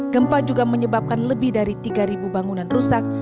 gempa juga menyebabkan lebih dari tiga bangunan rusak